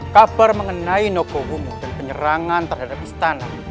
kabar mengenai nogowu dan penyerangan terhadap istana